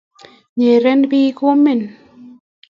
nyeren biik komen